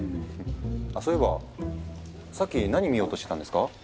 あそういえばさっき何見ようとしてたんですか？